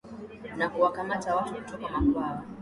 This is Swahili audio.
na kuwakamata watu kutoka makwao